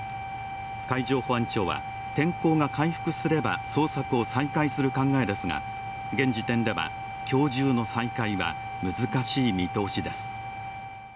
海上保安庁は天候が回復すれば捜索を再開する考えですが、現時点では今日中の再開は難しい見通しです。